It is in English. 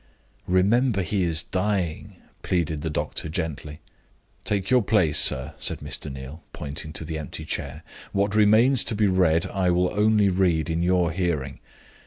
"Remember he is dying," pleaded the doctor, gently. "Take your place, sir," said Mr. Neal, pointing to the empty chair. "What remains to be read, I will only read in your hearing.